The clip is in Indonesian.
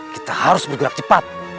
kita harus bergerak cepat